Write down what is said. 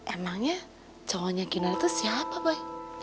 emangnya cowoknya kinar itu siapa boy